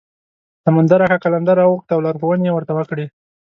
سمندر اکا قلندر راوغوښت او لارښوونې یې ورته وکړې.